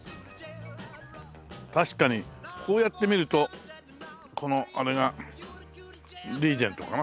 確かにこうやって見るとこのあれがリーゼントかな。